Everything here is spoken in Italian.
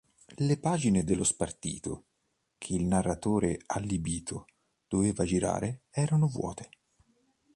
Le pagine dello spartito, che il narratore allibito doveva girare, erano vuote.